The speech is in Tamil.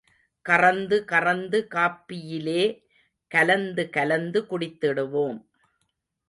கறந்து கறந்து காப்பியிலே கலந்து கலந்து குடித்திடுவோம்.